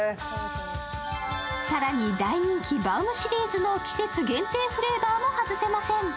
更に大人気バウムシリーズの季節限定フレーバーも外せません。